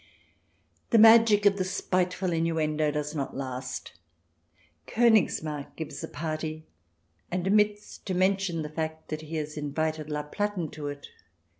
The magic of the spiteful innuendo does not last. KOnigsmarck gives a party, and omits to mention the fact that he has invited La Platen to it.